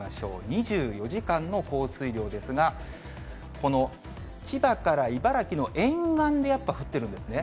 ２４時間の降水量ですが、この千葉から茨城の沿岸で、やっぱり降ってるんですね。